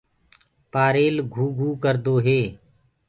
پآريل گھوگھو ڪردو هي۔